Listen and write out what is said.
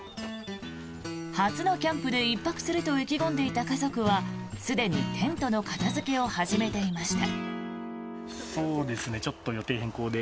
初のキャンプで１泊すると意気込んでいた家族はすでにテントの片付けを始めていました。